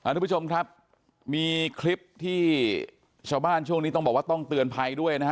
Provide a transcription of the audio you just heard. ทุกผู้ชมครับมีคลิปที่ชาวบ้านช่วงนี้ต้องบอกว่าต้องเตือนภัยด้วยนะฮะ